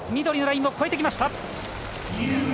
緑のラインも越えてきました！